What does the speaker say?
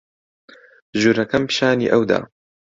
ژوورەکەم پیشانی ئەو دا.